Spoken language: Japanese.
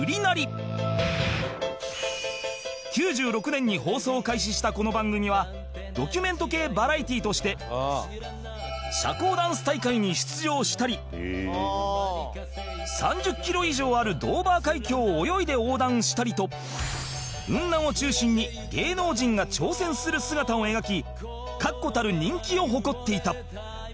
９６年に放送を開始したこの番組はドキュメント系バラエティとして社交ダンス大会に出場したり３０キロ以上あるドーバー海峡を泳いで横断したりとウンナンを中心に芸能人が挑戦する姿を描き確固たる人気を誇っていた